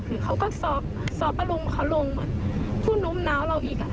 คือเขาก็ซอฟซอฟไปลงเขาลงพูดนมน้ำเราอีก